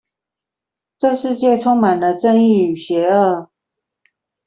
這世界充滿了正義與邪惡